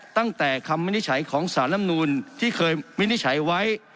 ตั้งแต่คำวินิจฉัยของสารลำนูนที่เคยวินิจฉัยไว้